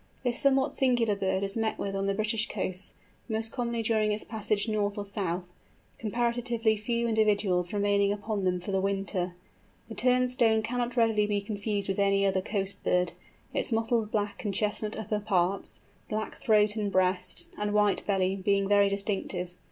This somewhat singular bird is met with on the British coasts, most commonly during its passage north or south, comparatively few individuals remaining upon them for the winter. The Turnstone cannot readily be confused with any other coast bird, its mottled black and chestnut upper parts, black throat and breast, and white belly, being very distinctive.